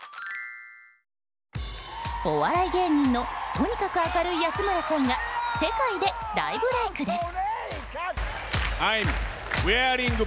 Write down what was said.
お笑い芸人のとにかく明るい安村さんが世界で大ブレークです。